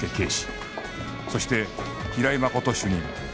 そして平井真琴主任